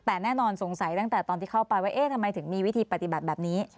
แต่แน่นอนสงสัยตั้งแต่ตอนที่เข้าไปว่าเอ๊ะทำไมถึงมีวิธีปฏิบัติแบบนี้